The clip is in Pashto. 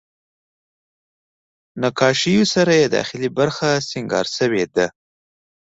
نقاشیو سره یې داخلي برخه سینګار شوې ده.